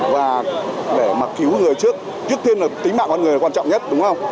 và để mà cứu người trước trước tiên là tính mạng con người là quan trọng nhất đúng không